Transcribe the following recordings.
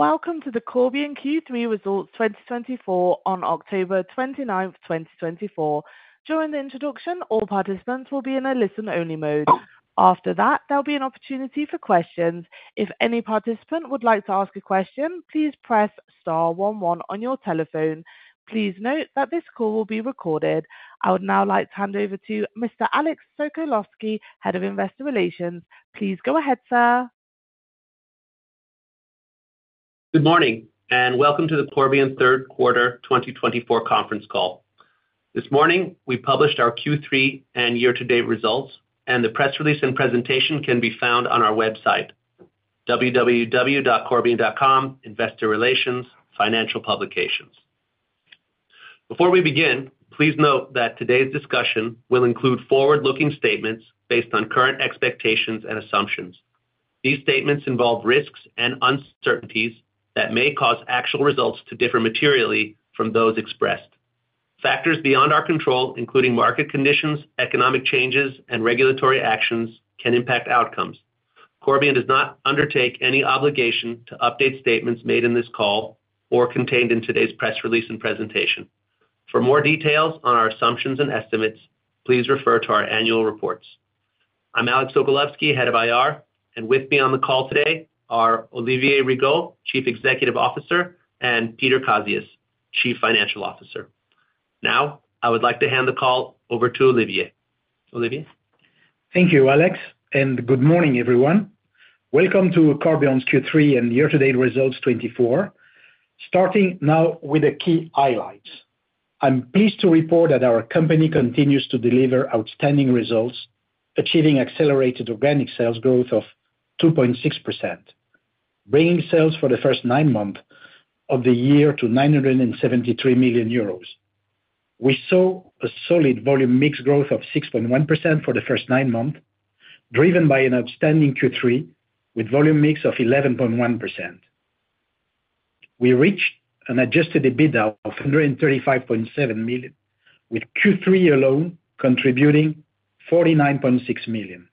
Welcome to the Corbion Q3 Results 2024 on October 29, 2024. During the introduction, all participants will be in a listen-only mode. After that, there'll be an opportunity for questions. If any participant would like to ask a question, please press star one one on your telephone. Please note that this call will be recorded. I would now like to hand over to Mr. Alex Sokolowski, Head of Investor Relations. Please go ahead, sir. Good morning, and welcome to the Corbion third quarter 2024 conference call. This morning, we published our Q3 and year-to-date results, and the press release and presentation can be found on our website, www.corbion.com, Investor Relations, Financial Publications. Before we begin, please note that today's discussion will include forward-looking statements based on current expectations and assumptions. These statements involve risks and uncertainties that may cause actual results to differ materially from those expressed. Factors beyond our control, including market conditions, economic changes, and regulatory actions, can impact outcomes. Corbion does not undertake any obligation to update statements made in this call or contained in today's press release and presentation. For more details on our assumptions and estimates, please refer to our annual reports. I'm Alex Sokolowski, Head of IR, and with me on the call today are Olivier Rigaud, Chief Executive Officer, and Peter Kazius, Chief Financial Officer. Now, I would like to hand the call over to Olivier. Olivier? Thank you, Alex, and good morning, everyone. Welcome to Corbion's Q3 and year-to-date results 2024. Starting now with the key highlights. I'm pleased to report that our company continues to deliver outstanding results, achieving accelerated organic sales growth of 2.6%, bringing sales for the first nine months of the year to 973 million euros. We saw a solid volume mix growth of 6.1% for the first nine months, driven by an outstanding Q3 with volume mix of 11.1%. We reached an Adjusted EBITDA of 135.7 million EUR, with Q3 alone contributing 49.6 million EUR.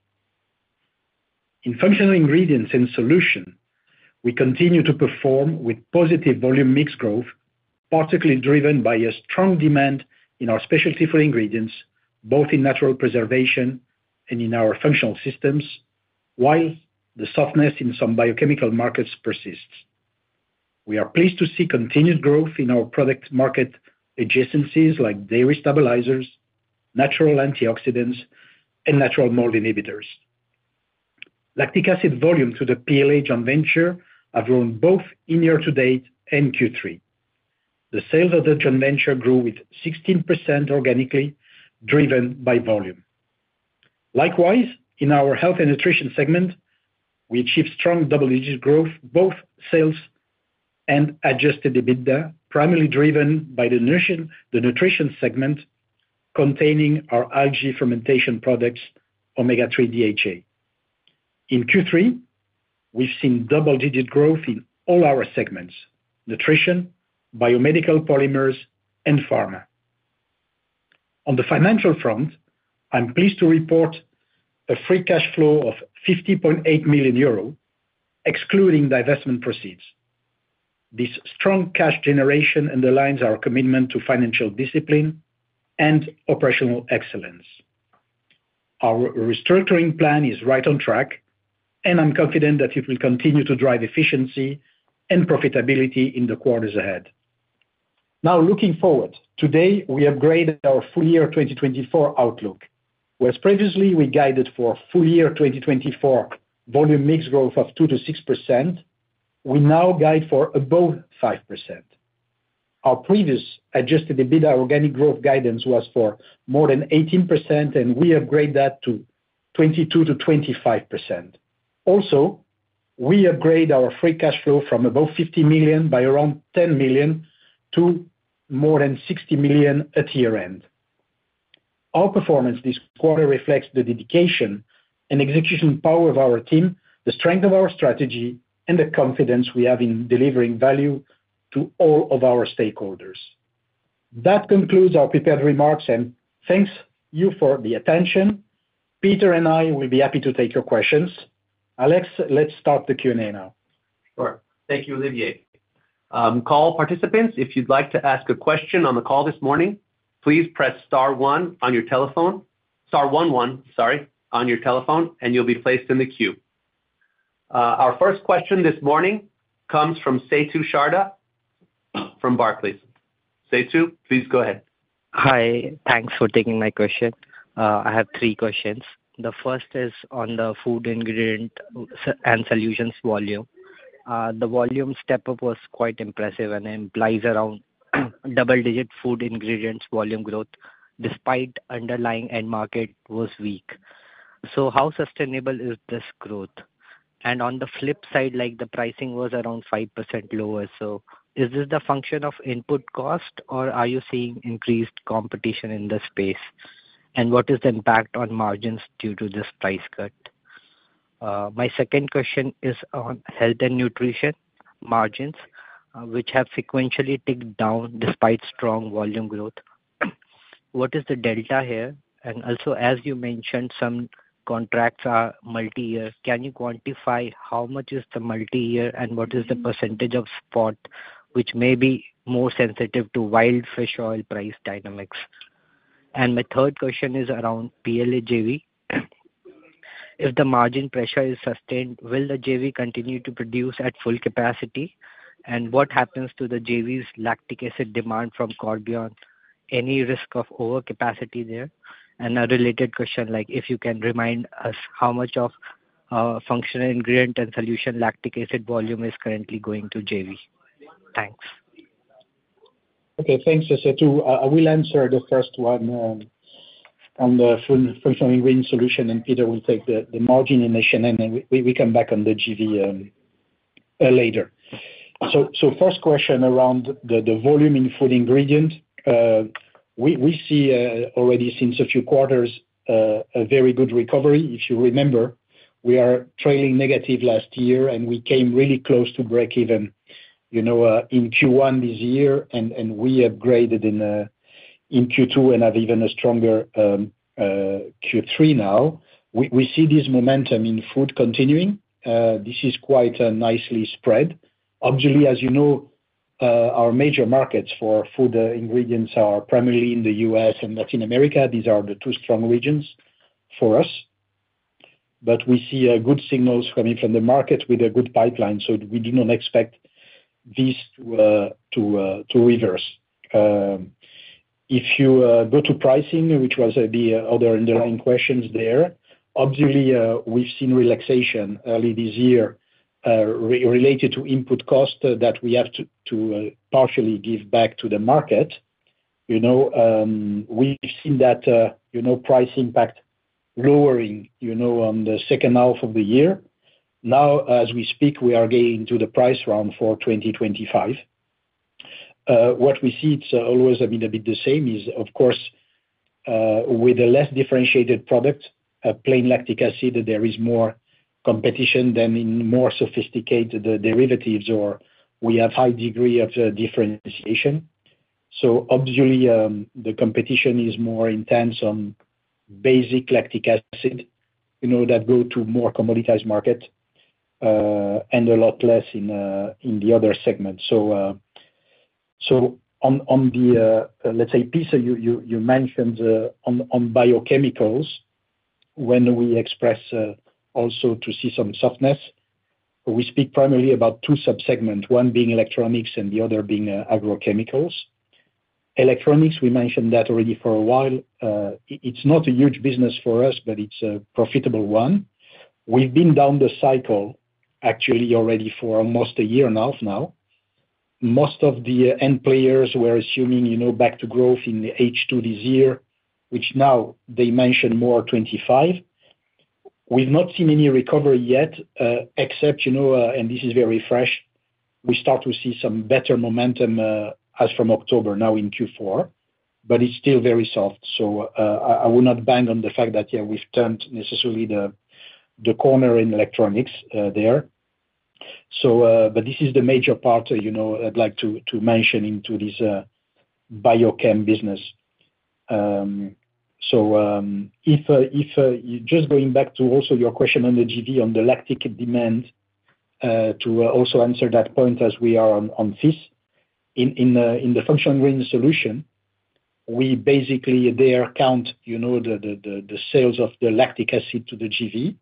In Functional Ingredients & Solutions, we continue to perform with positive volume mix growth, particularly driven by a strong demand in our specialty ingredients, both in natural preservation and in our functional systems, while the softness in some biochemical markets persists. We are pleased to see continued growth in our product market adjacencies like dairy stabilizers, natural antioxidants, and natural mold inhibitors. Lactic acid volume through the PLA joint venture have grown both in year to date and Q3. The sales of the joint venture grew 16% organically, driven by volume. Likewise, in our Health & Nutrition segment, we achieved strong double-digit growth, both sales and adjusted EBITDA, primarily driven by the Nutrition segment, containing our algae fermentation products, Omega-3 DHA. In Q3, we've seen double-digit growth in all our segments: Nutrition, Biomedical Polymers, and Pharma. On the financial front, I'm pleased to report a free cash flow of 50.8 million euro, excluding divestment proceeds. This strong cash generation underlines our commitment to financial discipline and operational excellence. Our restructuring plan is right on track, and I'm confident that it will continue to drive efficiency and profitability in the quarters ahead. Now, looking forward, today, we upgraded our full-year 2024 outlook, whereas previously we guided for full-year 2024 volume mix growth of 2-6%, we now guide for above 5%. Our previous Adjusted EBITDA organic growth guidance was for more than 18%, and we upgrade that to 22-25%. Also, we upgrade our free cash flow from above 50 million by around 10 million to more than 60 million at year-end. Our performance this quarter reflects the dedication and execution power of our team, the strength of our strategy, and the confidence we have in delivering value to all of our stakeholders. That concludes our prepared remarks, and thank you for the attention. Peter and I will be happy to take your questions. Alex, let's start the Q&A now. Sure. Thank you, Olivier. Call participants, if you'd like to ask a question on the call this morning, please press star one on your telephone. Star one one, sorry, on your telephone, and you'll be placed in the queue. Our first question this morning comes from Setu Sharda from Barclays. Setu, please go ahead. Hi, thanks for taking my question. I have three questions. The first is on the food ingredients and solutions volume. The volume step up was quite impressive and implies around double-digit food ingredients volume growth, despite underlying end market was weak. So how sustainable is this growth? And on the flip side, like, the pricing was around 5% lower, so is this the function of input cost, or are you seeing increased competition in this space? And what is the impact on margins due to this price cut? My second question is on health and nutrition margins, which have sequentially ticked down despite strong volume growth. What is the delta here? And also, as you mentioned, some contracts are multi-year. Can you quantify how much is the multi-year, and what is the percentage of spot, which may be more sensitive to wild fish oil price dynamics? And my third question is around PLA JV. If the margin pressure is sustained, will the JV continue to produce at full capacity? And what happens to the JV's lactic acid demand from Corbion? Any risk of overcapacity there? And a related question, like, if you can remind us how much of functional ingredient and solution lactic acid volume is currently going to JV? Thanks. Okay, thanks, Setu. I will answer the first one, on the food, food ingredient solution, and Peter will take the margin inflation, and then we come back on the JV, later. So first question around the volume in food ingredient. We see already since a few quarters a very good recovery. If you remember, we are trailing negative last year, and we came really close to breakeven, you know, in Q1 this year, and we upgraded in Q2 and have even a stronger Q3 now. We see this momentum in food continuing. This is quite nicely spread. Obviously, as you know, our major markets for food ingredients are primarily in the U.S. and Latin America. These are the two strong regions for us. But we see good signals coming from the market with a good pipeline, so we do not expect this to reverse. If you go to pricing, which was the other underlying questions there, obviously, we've seen relaxation early this year, related to input costs that we have to partially give back to the market. You know, we've seen that, you know, price impact lowering, you know, on the second half of the year. Now, as we speak, we are getting to the price round for 2025. What we see, it's always a bit the same is, of course, with a less differentiated product, a plain lactic acid, there is more competition than in more sophisticated derivatives or we have high degree of differentiation. So obviously, the competition is more intense on basic lactic acid, you know, that go to more commoditized market, and a lot less in the other segments. So, so on the, let's say, piece you mentioned, on biochemicals, when we express, also to see some softness, we speak primarily about two sub-segments, one being electronics and the other being agrochemicals. Electronics, we mentioned that already for a while. It's not a huge business for us, but it's a profitable one. We've been down the cycle actually already for almost a year and a half now. Most of the end players were assuming, you know, back to growth in the H2 this year, which now they mention more 2025. We've not seen any recovery yet, except, you know, and this is very fresh, we start to see some better momentum, as from October now in Q4, but it's still very soft. I would not bank on the fact that, yeah, we've turned necessarily the corner in electronics, there. But this is the major part, you know, I'd like to mention into this, biochemicals business. So, just going back to also your question on the JV, on the lactic demand, to also answer that point as we are on this. In the Functional Ingredients & Solutions, we basically account, you know, the sales of the lactic acid to the JV,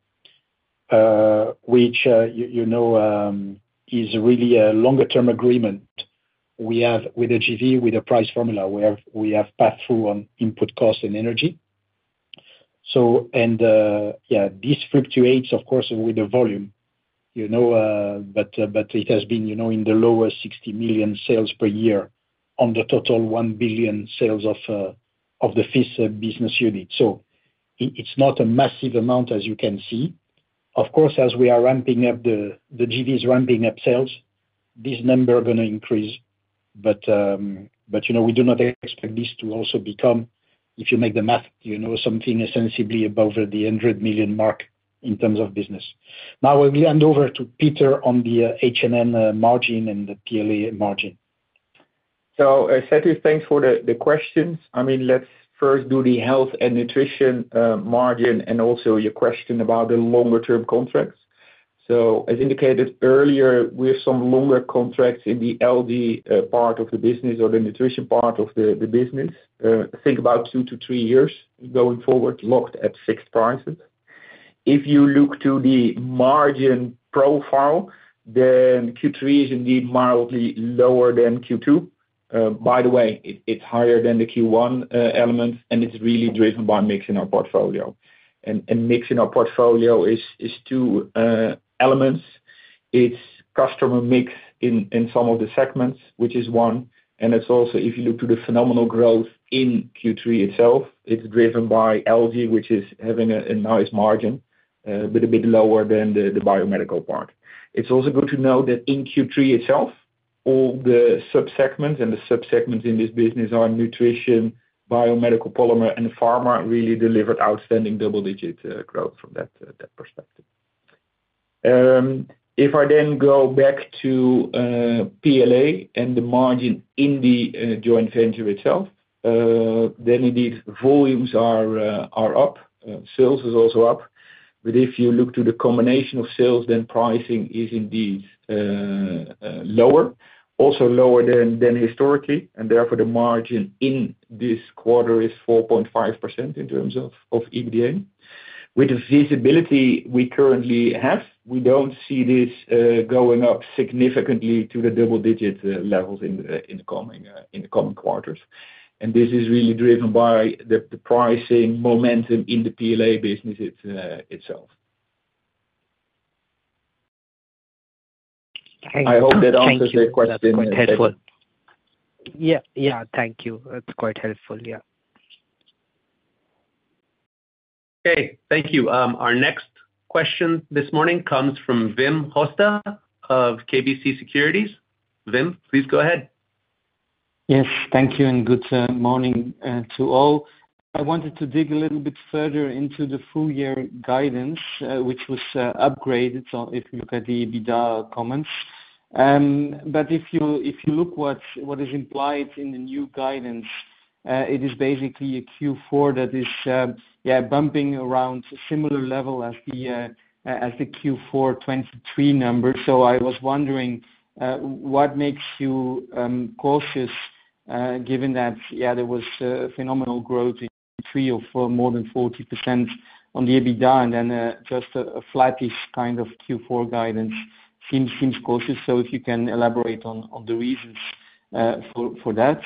which, you know, is really a longer term agreement. We have with the JV, with the price formula, we have passed through on input costs and energy. So, and, yeah, this fluctuates of course with the volume, you know, but it has been, you know, in the lower 60 million sales per year on the total 1 billion sales of the FIS business unit. So it's not a massive amount, as you can see. Of course, as we are ramping up the, the JV is ramping up sales, this number gonna increase. But, you know, we do not expect this to also become. If you make the math, you know, something ostensibly above the 100 million mark in terms of business. Now, I will hand over to Peter on the H&N margin and the PLA margin. So, Setu, thanks for the questions. I mean, let's first do the health and nutrition margin, and also your question about the longer term contracts. As indicated earlier, we have some longer contracts in the Algae part of the business or the nutrition part of the business. Think about two to three years going forward, locked at fixed prices. If you look to the margin profile, then Q3 is indeed mildly lower than Q2. By the way, it's higher than the Q1 elements, and it's really driven by mixing our portfolio. And mixing our portfolio is two elements. It's customer mix in some of the segments, which is one, and it's also, if you look to the phenomenal growth in Q3 itself, it's driven by Algae, which is having a nice margin, but a bit lower than the biomedical part. It's also good to know that in Q3 itself, all the sub-segments in this business are nutrition, biomedical, polymer, and pharma really delivered outstanding double-digit growth from that perspective. If I then go back to PLA and the margin in the joint venture itself, then indeed volumes are up, sales is also up. But if you look to the combination of sales, then pricing is indeed lower, also lower than historically, and therefore the margin in this quarter is 4.5% in terms of EBITDA. With the visibility we currently have, we don't see this going up significantly to the double-digit levels in the coming quarters. And this is really driven by the pricing momentum in the PLA business itself. Okay, thank you. I hope that answers the question. That's quite helpful. Yeah, yeah, thank you. That's quite helpful, yeah. Okay, thank you. Our next question this morning comes from Wim Hoste of KBC Securities. Wim, please go ahead. Yes, thank you and good morning to all. I wanted to dig a little bit further into the full year guidance, which was upgraded, so if you look at the EBITDA comments. But if you look what is implied in the new guidance, it is basically a Q4 that is yeah bumping around similar level as the Q4 2023 numbers. So I was wondering what makes you cautious given that yeah there was phenomenal growth in three or four more than 40% on the EBITDA and then just a flattish kind of Q4 guidance seems cautious. So if you can elaborate on the reasons for that.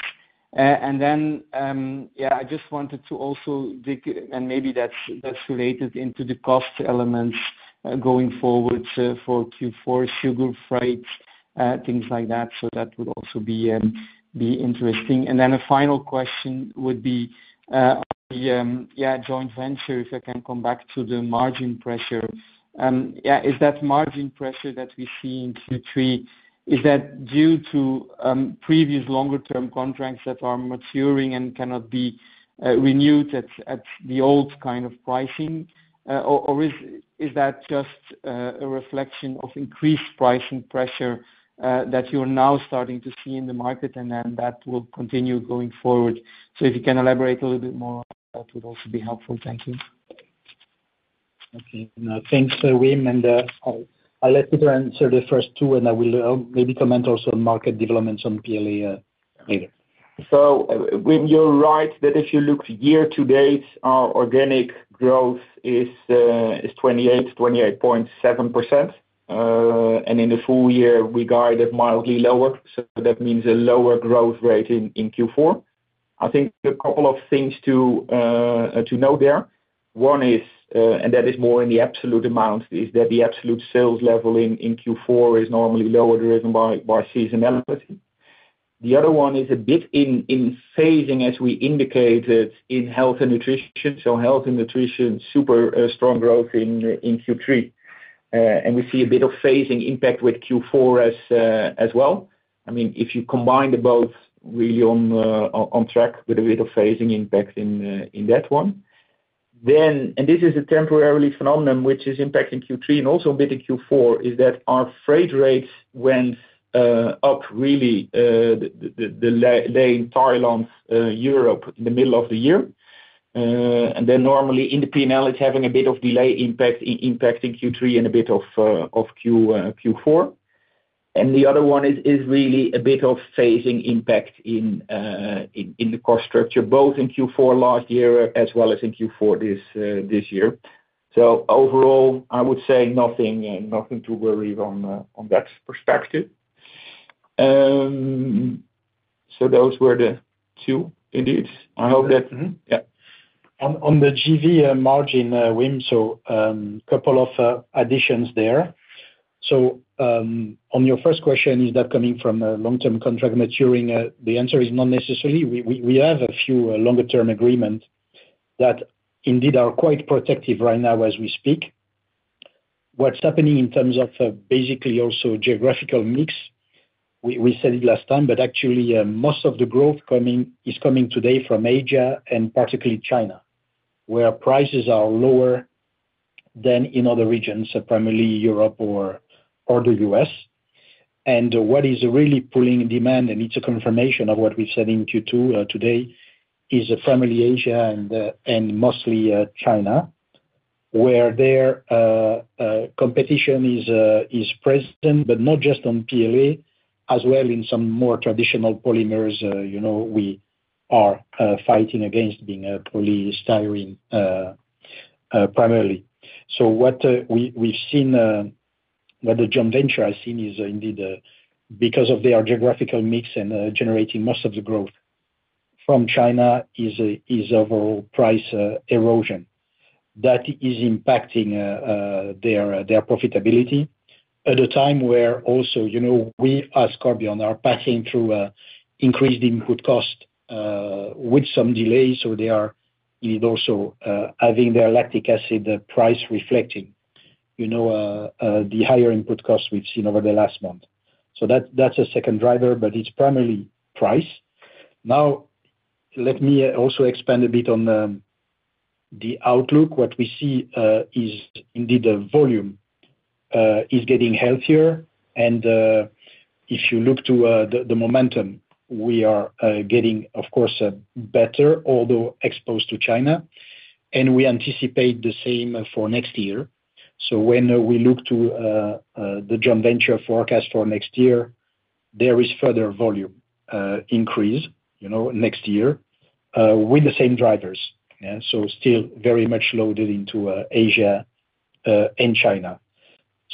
And then I just wanted to also dig, and maybe that's related into the cost elements going forward for Q4, sugar, freight, things like that. So that would also be interesting. And then a final question would be the joint venture, if I can come back to the margin pressure. Is that margin pressure that we see in Q3 due to previous longer term contracts that are maturing and cannot be renewed at the old kind of pricing? Or is that just a reflection of increased pricing pressure that you're now starting to see in the market, and then that will continue going forward? So if you can elaborate a little bit more, that would also be helpful. Thank you. Okay. Thanks, Wim, and, I'll let Peter answer the first two, and I will, maybe comment also on market developments on PLA, later. So Wim, you're right, that if you look year to date, our organic growth is 28.7%. And in the full year, we guided mildly lower, so that means a lower growth rate in Q4. I think a couple of things to note there. One is, and that is more in the absolute amount, is that the absolute sales level in Q4 is normally lower driven by seasonality. The other one is a bit in phasing, as we indicated, in health and nutrition. Health and nutrition, super strong growth in Q3. And we see a bit of phasing impact with Q4 as well. I mean, if you combine them both, really on track with a bit of phasing impact in that one. Then, and this is a temporary phenomenon which is impacting Q3 and also a bit in Q4, is that our freight rates went up really, the Thailand Europe in the middle of the year. And then normally in the P&L, it's having a bit of delay impact impacting Q3 and a bit of Q4. And the other one is really a bit of phasing impact in the cost structure, both in Q4 last year as well as in Q4 this year. So overall, I would say nothing to worry on that perspective. So those were the two indeed. I hope that- Mm-hmm. Yeah. On the JV margin, Wim, so, couple of additions there. So, on your first question, is that coming from a long-term contract maturing? The answer is not necessarily. We have a few longer term agreement that indeed are quite protective right now as we speak. What's happening in terms of basically also geographical mix, we said it last time, but actually, most of the growth is coming today from Asia and particularly China, where prices are lower than in other regions, so primarily Europe or the U.S. And what is really pulling demand, and it's a confirmation of what we said in Q2 today, is primarily Asia and mostly China, where their competition is present, but not just on PLA, as well in some more traditional polymers, you know, we are fighting against being a polystyrene primarily. So what we've seen, what the joint venture has seen is indeed because of their geographical mix and generating most of the growth from China, overall price erosion that is impacting their profitability at a time where also, you know, we as Corbion are passing through increased input cost with some delays, so they are indeed also having their lactic acid price reflecting, you know, the higher input costs we've seen over the last month. So that's a second driver, but it's primarily price. Now, let me also expand a bit on the outlook. What we see is indeed the volume is getting healthier, and if you look to the momentum, we are getting, of course, a better, although exposed to China, and we anticipate the same for next year. So when we look to the joint venture forecast for next year, there is further volume increase, you know, next year, with the same drivers. Yeah, so still very much loaded into Asia and China.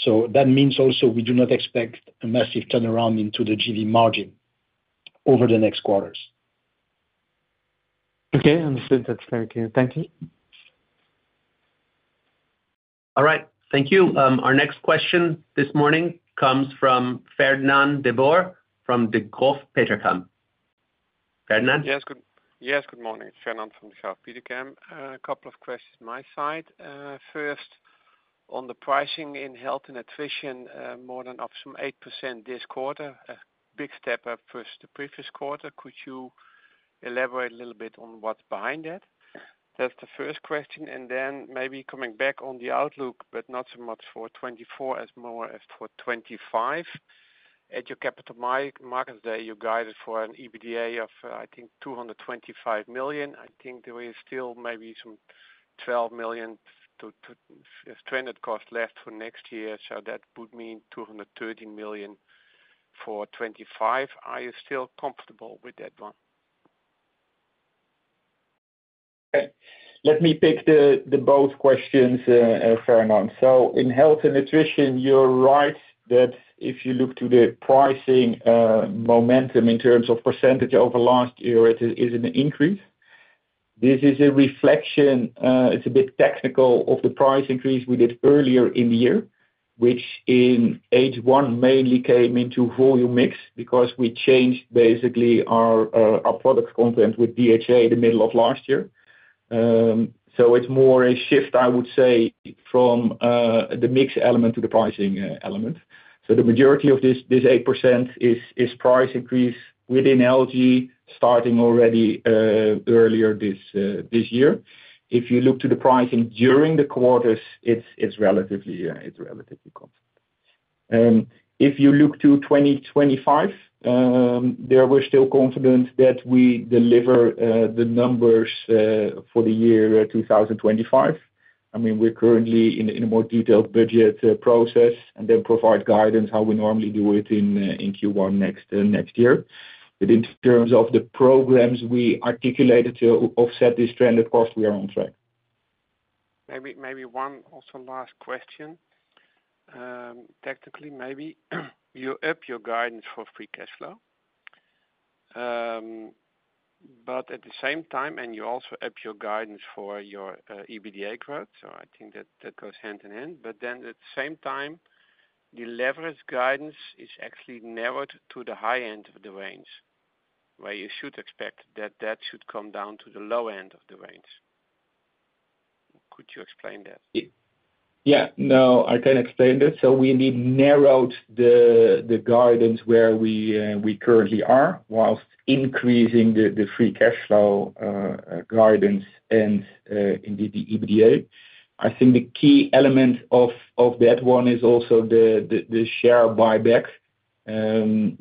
So that means also we do not expect a massive turnaround into the JV margin over the next quarters. Okay, understood. That's very clear. Thank you. All right, thank you. Our next question this morning comes from Fernand de Boer from Degroof Petercam. Ferdinand? Yes, good morning. It's Fernand de Boer from Degroof Petercam. A couple of questions on my side. First, on the pricing in health and nutrition, more than some 8% this quarter, a big step up from the previous quarter. Could you elaborate a little bit on what's behind that? That's the first question, and then maybe coming back on the outlook, but not so much for 2024 as more for 2025. At your capital markets day, you guided for an EBITDA of, I think, 225 million. I think there is still maybe some 12 million to run-rate cost left for next year, so that would mean 213 million for 2025. Are you still comfortable with that one? Okay. Let me pick the both questions, Fernand. So in health and nutrition, you're right, that if you look to the pricing momentum in terms of percentage over last year, it is an increase. This is a reflection, it's a bit technical, of the price increase we did earlier in the year, which in H1 mainly came into volume mix, because we changed basically our product content with DHA in the middle of last year. So it's more a shift, I would say, from the mix element to the pricing element. So the majority of this 8% is price increase within Algae, starting already earlier this year. If you look to the pricing during the quarters, it's relatively constant. If you look to 2025, there we're still confident that we deliver the numbers for the year 2025. I mean, we're currently in a more detailed budget process, and then provide guidance how we normally do it in Q1 next year. But in terms of the programs we articulated to offset this trend, of course, we are on track. Maybe, maybe one also last question. Technically, maybe, you up your guidance for free cash flow, but at the same time, and you also up your guidance for your EBITDA growth, so I think that that goes hand in hand, but then at the same time, your leverage guidance is actually narrowed to the high end of the range, where you should expect that that should come down to the low end of the range. Could you explain that? Yeah, no, I can explain that. So we indeed narrowed the guidance where we currently are, while increasing the free cash flow guidance and indeed the EBITDA. I think the key element of that one is also the share buyback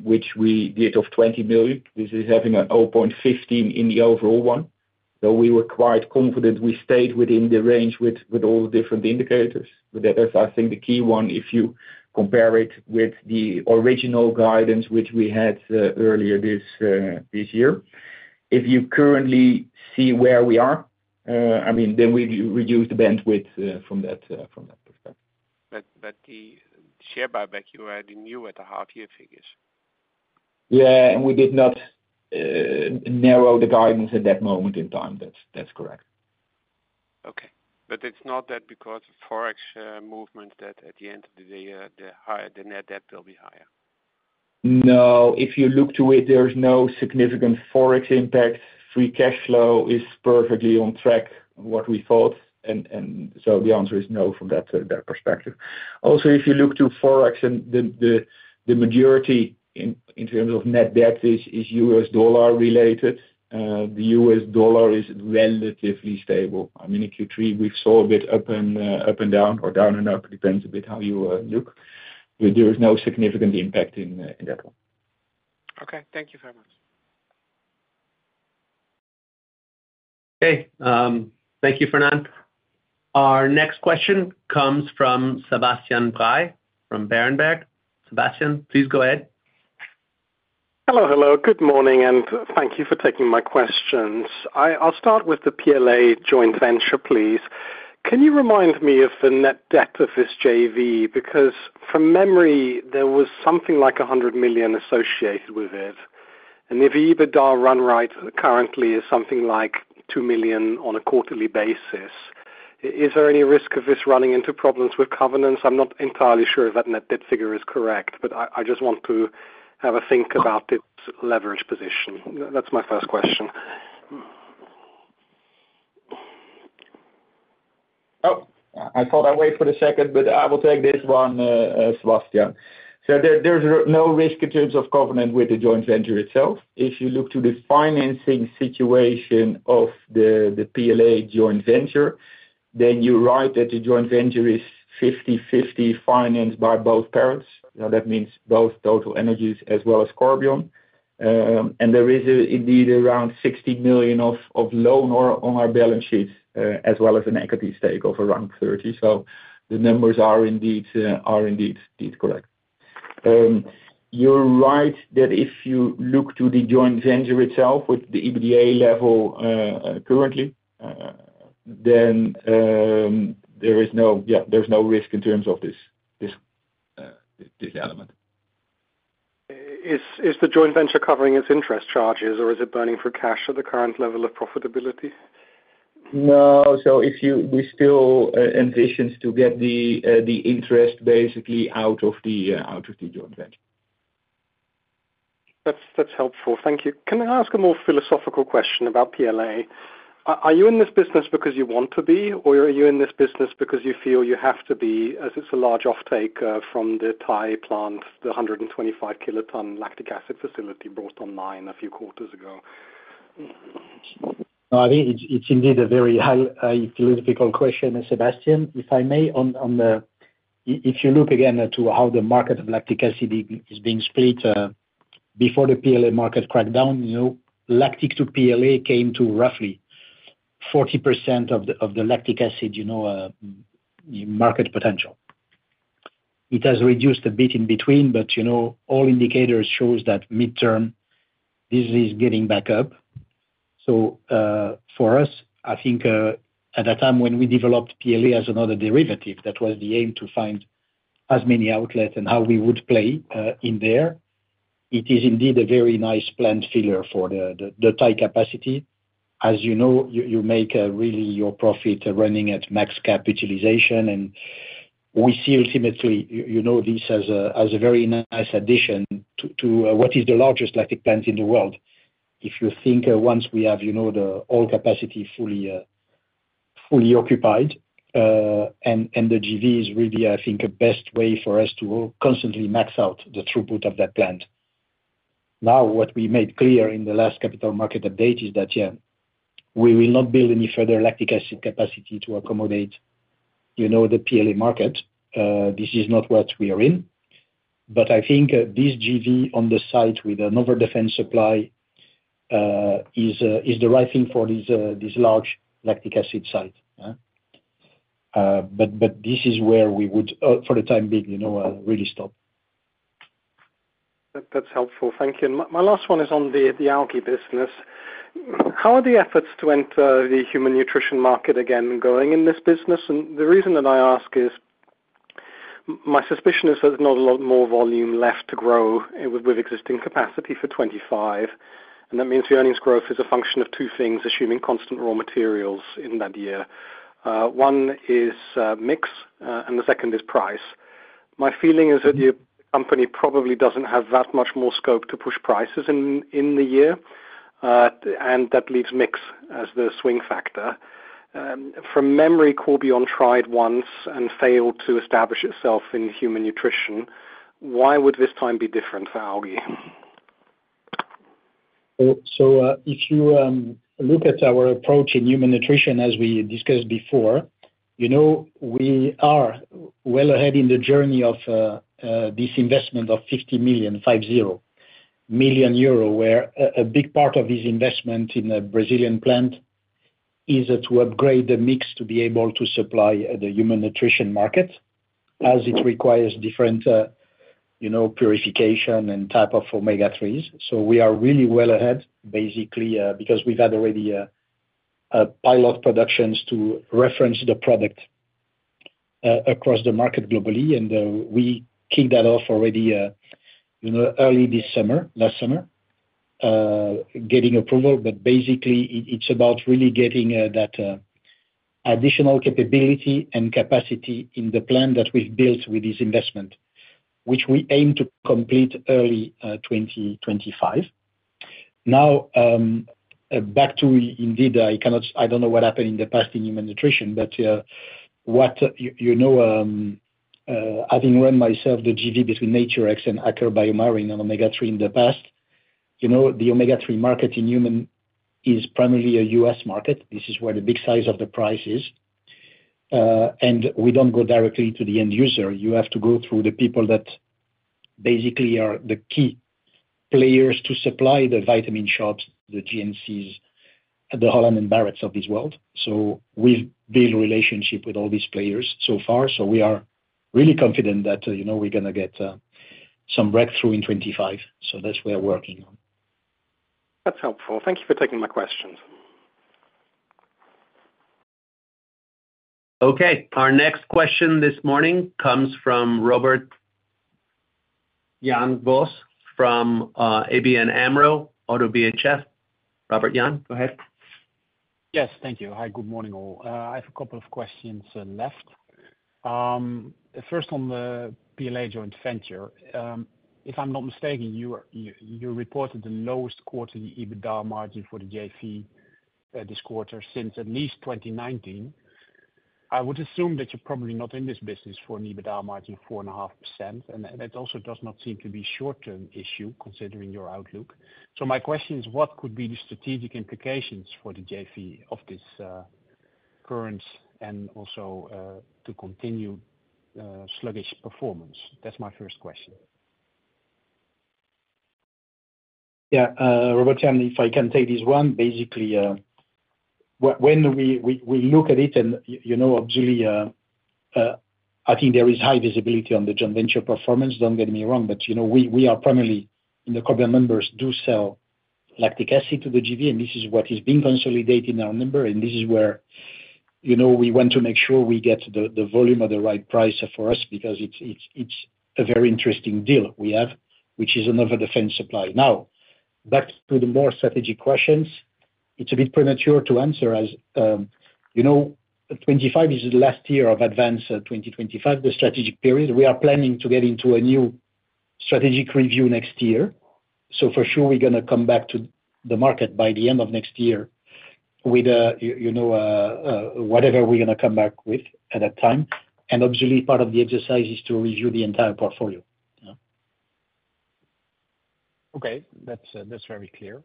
which we did of 20 million. This is having a 0.15 in the overall one. So we were quite confident we stayed within the range with all the different indicators. But that is, I think, the key one if you compare it with the original guidance which we had earlier this year. If you currently see where we are, I mean, then we reduce the bandwidth from that perspective. But, the share buyback, you already knew at the half-year figures. Yeah, and we did not narrow the guidance at that moment in time. That's correct. Okay, but it's not that because of Forex movement that at the end of the day the higher the net debt will be higher? No, if you look to it, there is no significant Forex impact. Free cash flow is perfectly on track what we thought, and so the answer is no from that perspective. Also, if you look to Forex and the majority in terms of net debt is U.S. dollar related, the U.S. dollar is relatively stable. I mean, in Q3, we saw a bit up and up and down or down and up, depends a bit how you look, but there is no significant impact in that one. Okay. Thank you very much. Okay, thank you, Fernand. Our next question comes from Sebastian Bray from Berenberg. Sebastian, please go ahead. Hello, hello, good morning, and thank you for taking my questions. I'll start with the PLA joint venture, please. Can you remind me of the net debt of this JV? Because from memory, there was something like 100 million associated with it, and if the EBITDA run rate currently is something like 2 million on a quarterly basis, is there any risk of this running into problems with covenants? I'm not entirely sure if that net debt figure is correct, but I just want to have a think about its leverage position. That's my first question. Oh, I thought I'd wait for the second, but I will take this one, Sebastian. So, there's no risk in terms of covenant with the joint venture itself. If you look to the financing situation of the PLA joint venture, then you're right that the joint venture is 50-50 financed by both parents. Now, that means both TotalEnergies as well as Corbion. And there is, indeed, around 60 million loan on our balance sheet, as well as an equity stake of around 30. So the numbers are indeed correct. You're right, that if you look to the joint venture itself with the EBITDA level currently, then there is no, yeah, there's no risk in terms of this element. Is the joint venture covering its interest charges, or is it burning cash at the current level of profitability? No. So if you-- we still ambitions to get the interest basically out of the joint venture. That's helpful. Thank you. Can I ask a more philosophical question about PLA? Are you in this business because you want to be, or are you in this business because you feel you have to be, as it's a large offtake from the Thai plant, the 125 kiloton lactic acid facility brought online a few quarters ago? I think it's, it's indeed a very high, philosophical question, Sebastian. If I may, if you look again into how the market of lactic acid is being split, before the PLA market cracked down, you know, lactic to PLA came to roughly 40% of the lactic acid, you know, market potential. It has reduced a bit in between, but, you know, all indicators shows that midterm, this is getting back up. So, for us, I think, at that time when we developed PLA as another derivative, that was the aim, to find as many outlets and how we would play, in there. It is indeed a very nice plant filler for the Thai capacity. As you know, you make really your profit running at max capacity, and we see ultimately, you know, this as a very nice addition to what is the largest lactic plant in the world. If you think once we have, you know, all capacity fully occupied, and the JV is really, I think, a best way for us to constantly max out the throughput of that plant. Now, what we made clear in the last capital market update is that, yeah, we will not build any further lactic acid capacity to accommodate, you know, the PLA market. This is not what we are in. But I think this JV on the site with another diverse supply is the right thing for this large lactic acid site. But this is where we would, for the time being, you know, really stop. That's helpful. Thank you. My last one is on the algae business. How are the efforts to enter the human nutrition market again going in this business? And the reason that I ask is my suspicion is there's not a lot more volume left to grow with existing capacity for '25, and that means the earnings growth is a function of two things, assuming constant raw materials in that year. One is mix, and the second is price. My feeling is that your company probably doesn't have that much more scope to push prices in the year, and that leaves mix as the swing factor. From memory, Corbion tried once and failed to establish itself in human nutrition. Why would this time be different for algae? If you look at our approach in human nutrition, as we discussed before, you know, we are well ahead in the journey of this investment of 50 million EUR, where a big part of this investment in a Brazilian plant is to upgrade the mix to be able to supply the human nutrition market, as it requires different, you know, purification and type of omega-3s. We are really well ahead, basically, because we've had already a pilot productions to reference the product across the market globally. We kicked that off already, you know, early this summer, last summer, getting approval. But basically, it's about really getting that additional capability and capacity in the plant that we've built with this investment, which we aim to complete early 2025. Now, back to indeed, I don't know what happened in the past in human nutrition, but you know, having run myself the JV between Naturex and Aker BioMarine on omega-3 in the past, you know, the omega-3 market in human is primarily a U.S. market. This is where the big size of the price is. And we don't go directly to the end user. You have to go through the people that basically are the key players to supply the vitamin shops, the GNCs, the Holland & Barretts of this world. So we've built relationship with all these players so far, so we are really confident that, you know, we're gonna get some breakthrough in 2025. So that's we are working on. That's helpful. Thank you for taking my questions. Okay. Our next question this morning comes from Robert Jan Vos from ABN AMRO ODDO BHF. Robert Jan, go ahead. Yes, thank you. Hi, good morning, all. I have a couple of questions left. First on the PLA joint venture, if I'm not mistaken, you reported the lowest quarter EBITDA margin for the JV this quarter since at least 2019. I would assume that you're probably not in this business for an EBITDA margin of 4.5%, and it also does not seem to be short-term issue, considering your outlook. So my question is, what could be the strategic implications for the JV of this current and also continuing sluggish performance? That's my first question. Yeah, Robert Jan, if I can take this one. Basically, when we look at it, and you know, obviously, I think there is high visibility on the joint venture performance, don't get me wrong, but, you know, we are primarily, and the corporate members do sell lactic acid to the JV, and this is what is being consolidated in our number, and this is where, you know, we want to make sure we get the volume at the right price for us, because it's a very interesting deal we have, which is another defense supply. Now, back to the more strategic questions, it's a bit premature to answer as, you know, the '25 is the last year of Advance 2025, the strategic period. We are planning to get into a new strategic review next year, so for sure we're gonna come back to the market by the end of next year with, you know, whatever we're gonna come back with at that time. And obviously, part of the exercise is to review the entire portfolio. Yeah. Okay, that's very clear.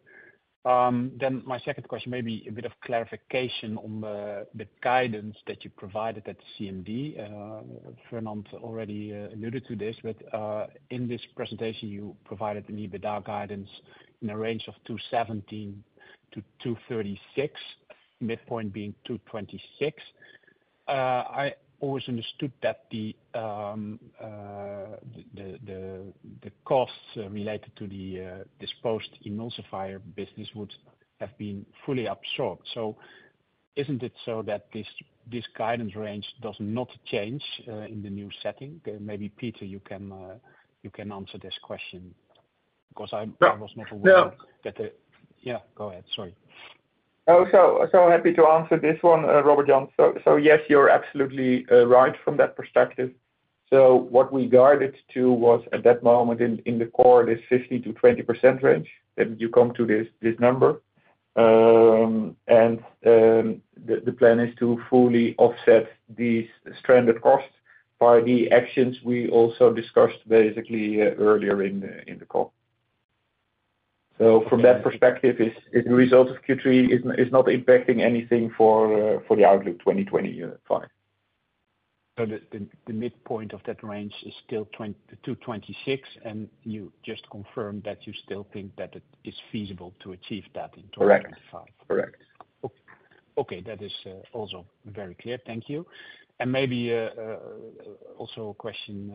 Then my second question, maybe a bit of clarification on the guidance that you provided at CMD. Ferdinand already alluded to this, but in this presentation, you provided an EBITDA guidance in a range of 217-236, midpoint being 226. I always understood that the costs related to the disposed emulsifier business would have been fully absorbed. So isn't it so that this guidance range does not change in the new setting? Maybe, Peter, you can answer this question, 'cause I- Yeah- I was not aware that the... Yeah, go ahead, sorry. Oh, so happy to answer this one, Robert Jan. So, yes, you're absolutely right from that perspective. So what we guided to was, at that moment in the quarter, this 15%-20% range, then you come to this number. And the plan is to fully offset these stranded costs by the actions we also discussed basically earlier in the call. So from that perspective, it's the result of Q3 is not impacting anything for the outlook 2025. So the midpoint of that range is still 226, and you just confirmed that you still think that it is feasible to achieve that in 2025? Correct. Correct. Okay, that is also very clear. Thank you. And maybe also a question,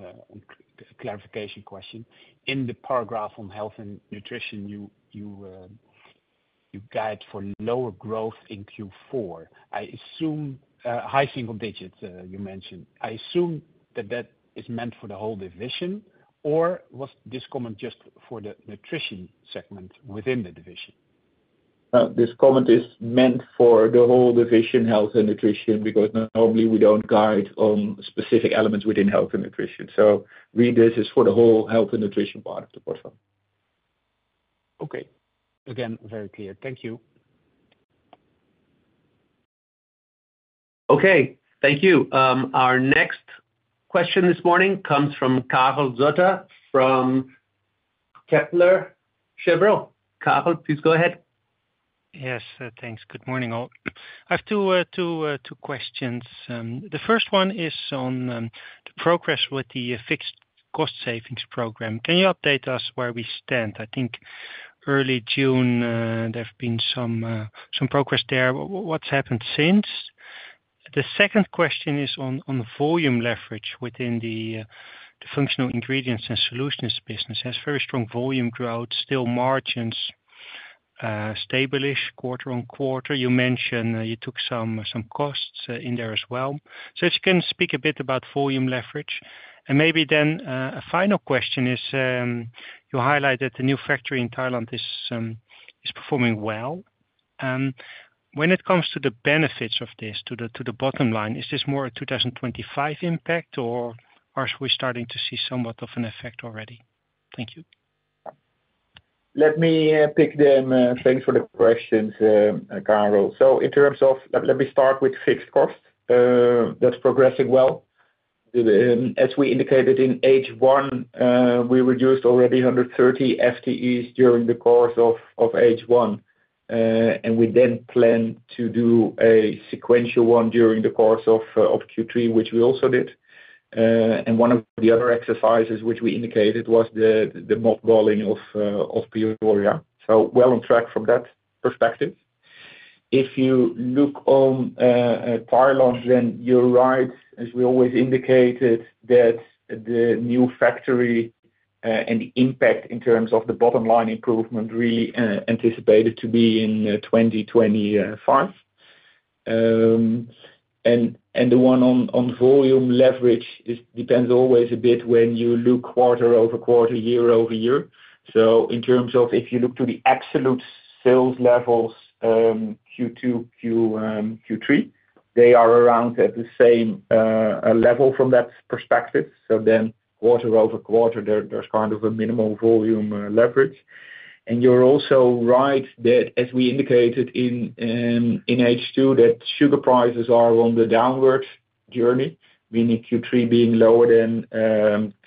clarification question: In the paragraph on health and nutrition, you guide for lower growth in Q4. I assume high single digits you mentioned. I assume that that is meant for the whole division, or was this comment just for the nutrition segment within the division? This comment is meant for the whole division, health and nutrition, because normally we don't guide on specific elements within health and nutrition. Read this as for the whole health and nutrition part of the portfolio. Okay. Again, very clear. Thank you. Okay, thank you. Our next question this morning comes from Karel Zoete from Kepler Cheuvreux. Karel, please go ahead. Yes, thanks. Good morning, all. I have two questions. The first one is on the progress with the fixed cost savings program. Can you update us where we stand? I think early June, there have been some progress there. What's happened since? The second question is on the volume leverage within the functional ingredients and solutions business. Has very strong volume growth, still margins stable-ish quarter on quarter. You mentioned you took some costs in there as well. So if you can speak a bit about volume leverage. And maybe then a final question is you highlighted the new factory in Thailand is performing well. When it comes to the benefits of this to the bottom line, is this more a 2025 impact, or are we starting to see somewhat of an effect already? Thank you. Let me pick them. Thanks for the questions, Karel. So in terms of... let me start with fixed cost. That's progressing well. As we indicated in H1, we reduced already 130 FTEs during the course of H1. And we then planned to do a sequential one during the course of Q3, which we also did. And one of the other exercises which we indicated was the mothballing of Peoria. So well on track from that perspective. If you look on Thailand, then you're right, as we always indicated, that the new factory and the impact in terms of the bottom line improvement really anticipated to be in 2025. And the one on volume leverage, it depends always a bit when you look quarter over quarter, year over year. So in terms of if you look to the absolute sales levels, Q2, Q3 they are around at the same level from that perspective. So then quarter over quarter, there's kind of a minimal volume leverage. And you're also right that as we indicated in H2, that sugar prices are on the downward journey, meaning Q3 being lower than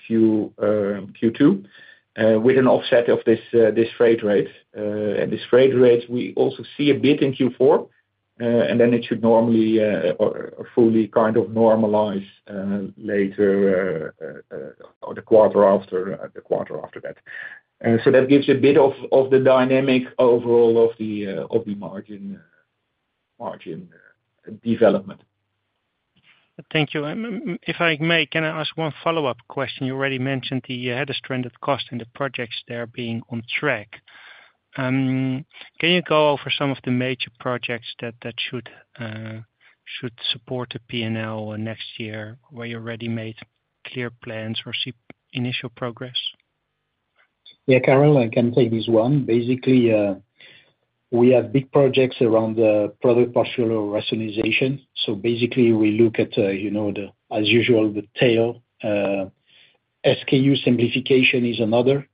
Q2, with an offset of this freight rate. And this freight rate, we also see a bit in Q4, and then it should normally or fully kind of normalize later on the quarter after the quarter after that. So that gives you a bit of the dynamic overall of the margin development. Thank you. And if I may, can I ask one follow-up question? You already mentioned the, you had a stranded cost, and the projects there being on track. Can you go over some of the major projects that should support the P&L next year, where you already made clear plans or see initial progress? Yeah, Karel, I can take this one. Basically, we have big projects around the product portfolio rationalization. So basically we look at, you know, the, as usual, the tail. SKU simplification is another.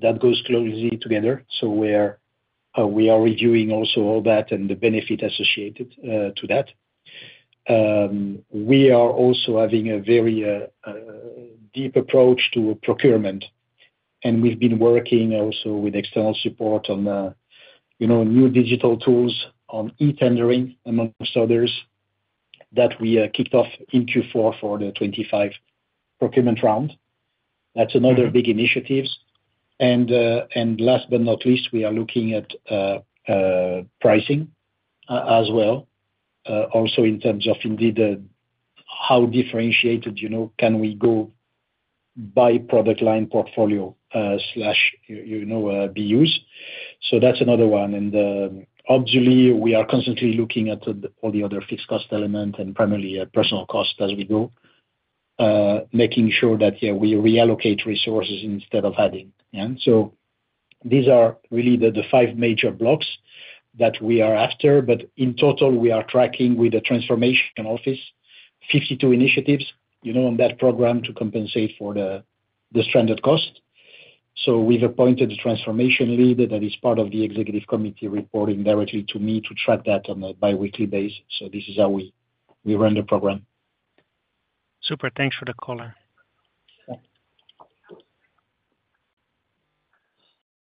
That goes closely together, so we're, we are reviewing also all that and the benefit associated, to that. We are also having a very, deep approach to procurement, and we've been working also with external support on, you know, new digital tools, on e-tendering, amongst others, that we, kicked off in Q4 for the 2025 procurement round. That's another big initiatives. And, and last but not least, we are looking at, pricing as well, also in terms of indeed, how differentiated, you know, can we go by product line portfolio, slash, you know, BUs. So that's another one. Obviously, we are constantly looking at all the other fixed cost elements and primarily personnel costs as we go, making sure that we reallocate resources instead of adding. These are really the five major blocks that we are after, but in total, we are tracking with the transformation office 52 initiatives, you know, on that program, to compensate for the stranded costs. We've appointed a transformation leader that is part of the executive committee, reporting directly to me to track that on a bi-weekly basis. This is how we run the program. Super. Thanks for the color. Yeah.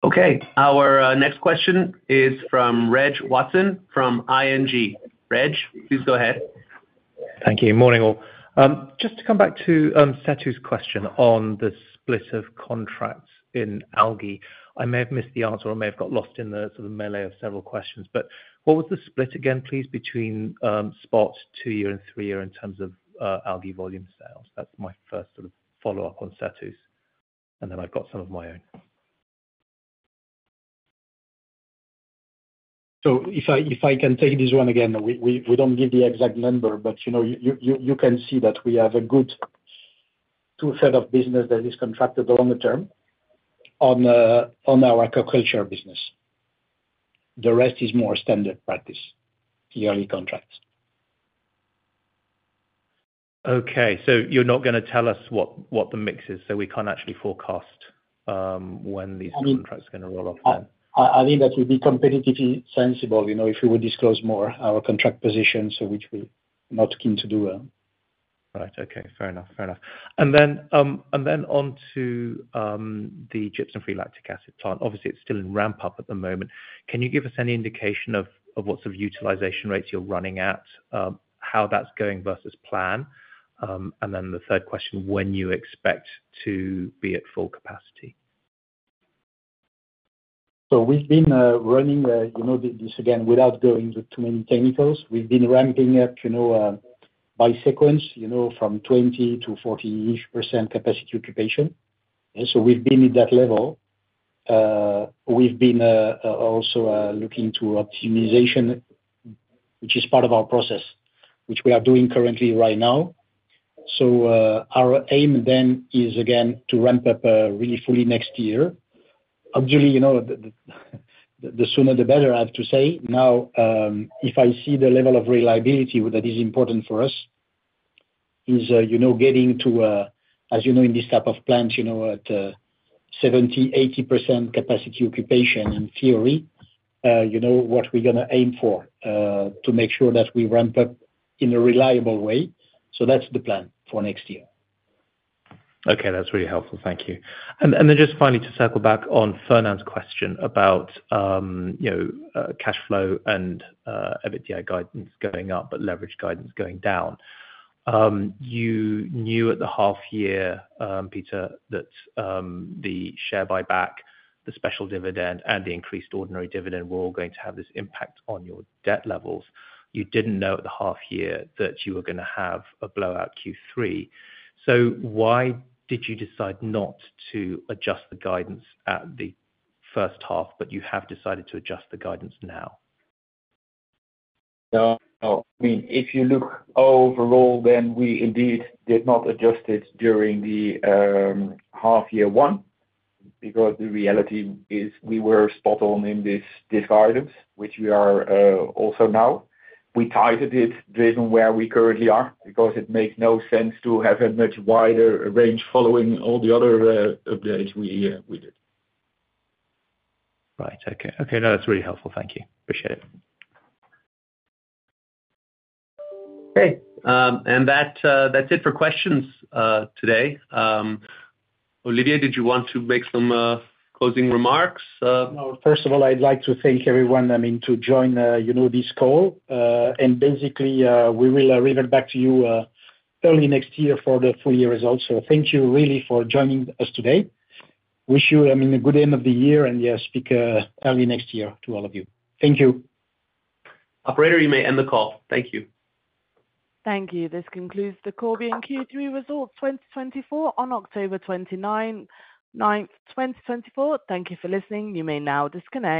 Okay. Our next question is from Reg Watson from ING. Reg, please go ahead. Thank you. Morning, all. Just to come back to Setu's question on the split of contracts in algae. I may have missed the answer, or it may have got lost in the sort of melee of several questions, but what was the split again, please, between spot, two-year, and three-year in terms of algae volume sales? That's my first sort of follow-up on Setu's, and then I've got some of my own. So if I, if I can take this one again, we don't give the exact number, but you know you can see that we have a good two set of business that is contracted longer term on our aquaculture business. The rest is more standard practice, yearly contracts. Okay, so you're not gonna tell us what the mix is, so we can't actually forecast when these- I mean- - contracts are gonna roll off?... I think that would be competitively sensible, you know, if we would disclose more our contract positions, so which we're not keen to do well. Right. Okay, fair enough. Fair enough. And then, and then on to the gypsum-free lactic acid plant. Obviously, it's still in ramp-up at the moment. Can you give us any indication of what sort of utilization rates you're running at? How that's going versus plan? And then the third question, when you expect to be at full capacity? So we've been running, you know, this again, without going into too many technicals. We've been ramping up, you know, by sequence, you know, from 20%-40-ish% capacity occupation. And so we've been at that level. We've been also looking to optimization, which is part of our process, which we are doing currently right now. So, our aim then is, again, to ramp up really fully next year. Obviously, you know, the sooner the better, I have to say. Now, if I see the level of reliability that is important for us, you know, getting to, as you know, in this type of plant, you know, at 70-80% capacity occupation, in theory, you know, what we're gonna aim for, to make sure that we ramp up in a reliable way. So that's the plan for next year. Okay. That's really helpful. Thank you. And then just finally to circle back on Ferdinand's question about, you know, cash flow and EBITDA guidance going up, but leverage guidance going down. You knew at the half year, Peter, that the share buyback, the special dividend, and the increased ordinary dividend, were all going to have this impact on your debt levels. You didn't know at the half year that you were gonna have a blowout Q3. So why did you decide not to adjust the guidance at the first half, but you have decided to adjust the guidance now? I mean, if you look overall, then we indeed did not adjust it during the half year one, because the reality is we were spot on in this, these items, which we are also now. We tightened it based on where we currently are, because it makes no sense to have a much wider range following all the other updates we did. Right. Okay. Okay, no, that's really helpful. Thank you. Appreciate it. Okay, and that, that's it for questions, today. Olivier, did you want to make some, closing remarks? No, first of all, I'd like to thank everyone, I mean, to join, you know, this call. And basically, we will revert back to you early next year for the full year results. So thank you really for joining us today. Wish you, I mean, a good end of the year, and, yeah, speak early next year to all of you. Thank you. Operator, you may end the call. Thank you. Thank you. This concludes the Corbion Q3 Results 2024 on October 29, 2024. Thank you for listening. You may now disconnect.